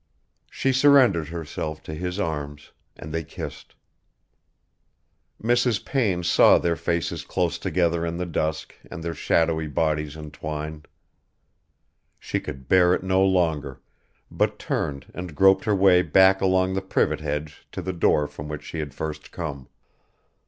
She surrendered herself to his arms and they kissed. Mrs. Payne saw their faces close together in the dusk and their shadowy bodies entwined. She could bear it no longer, but turned and groped her way back along the privet hedge to the door from which she had first come.